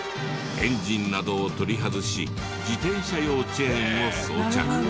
エンジンなどを取り外し自転車用チェーンを装着。